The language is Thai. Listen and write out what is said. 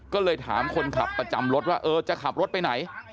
ก็เลยถามคนขับประจำรถว่าเออจะขับรถไปไหน